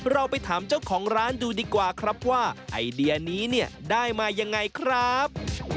เราไปถามเจ้าของร้านดูดีกว่าครับว่าไอเดียนี้เนี่ยได้มายังไงครับ